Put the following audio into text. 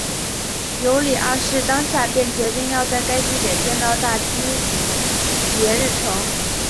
尤里二世当下便决定要在该地点建造大基捷日城。